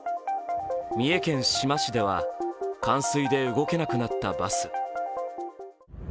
三重県志摩市では、冠水で動けなくなったバス。